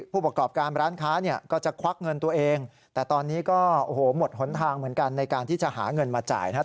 ผลทางเหมือนกันในการที่จะหาเงินมาจ่ายนะครับ